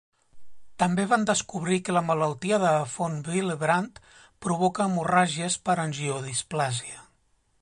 També van descobrir que la malaltia de von Willebrand provoca hemorràgies per angiodisplàsia.